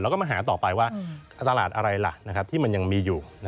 แล้วก็มาหาต่อไปว่าตลาดอะไรล่ะที่มันยังมีอยู่